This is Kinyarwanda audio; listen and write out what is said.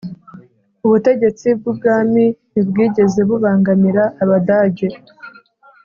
ubutegetsi bw'umwami ntibwigeze bubangamira abadage,